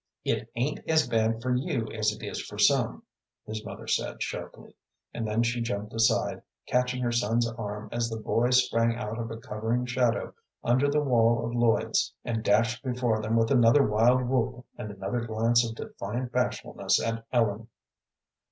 "It ain't as bad for you as it is for some," his mother said, sharply, and then she jumped aside, catching her son's arm as the boy sprang out of a covering shadow under the wall of Lloyd's and dashed before them with another wild whoop and another glance of defiant bashfulness at Ellen.